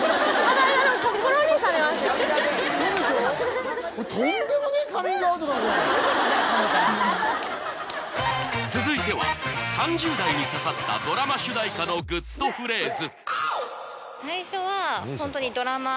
そうでしょう続いては３０代に刺さったドラマ主題歌のグッとフレーズ